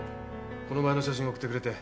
この前の写真送ってくれて。